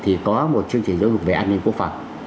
thì có một chương trình giáo dục về an ninh quốc phòng